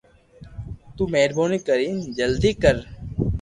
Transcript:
تو مھربوني ڪرين جلدي ڪر